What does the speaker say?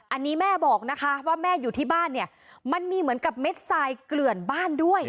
อันนี้แม่บอกนะคะว่าแม่อยู่ที่บ้านเนี่ยมันมีเหมือนกับเม็ดทรายเกลื่อนบ้านด้วย